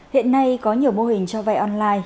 hiện nay có nhiều mô hình cho vai online